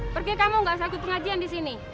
pergi kamu nggak usah ikut pengajian di sini